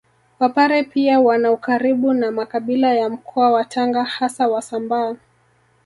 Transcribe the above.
Wapare pia wana ukaribu na makabila ya mkoa wa Tanga hasa Wasambaa